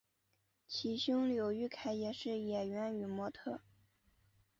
其兄刘雨凯也是演员与模特儿。